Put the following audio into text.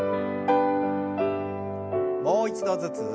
もう一度ずつ。